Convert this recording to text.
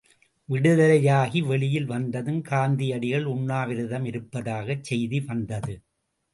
விடுதலையாகி வெளியில் வந்ததும் காந்தியடிகள் உண்ணாவிரதம் இருப்பதாகச் செய்தி வந்தது.